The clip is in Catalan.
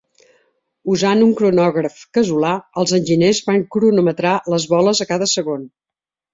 Usant un cronògraf casolà, els enginyers van cronometrar les boles a cada segon.